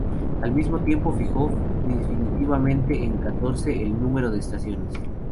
Al mismo tiempo fijó definitivamente en catorce el número de Estaciones.